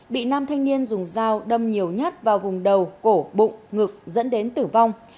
bị nam thanh niên dùng dao đâm nhiều nhát vào vùng đầu cổ bụng ngực dẫn đến tử vong